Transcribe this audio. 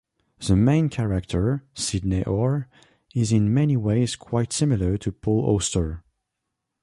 The main character, Sidney Orr, is in many ways quite similar to Paul Auster.